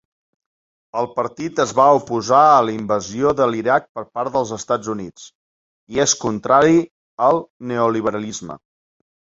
El partit es va oposar a la invasió de l'Iraq per part dels Estats Units i és contrari al neoliberalisme.